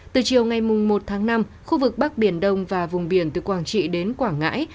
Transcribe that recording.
từ chiều ngày một tháng năm khu vực bắc biển đông và vùng biển từ quảng trị đến quảng ngãi